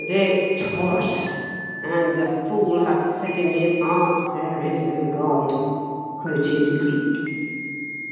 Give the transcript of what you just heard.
"Victoria! 'And the fool hath said in his heart, There is no God,'" quoted Cleek.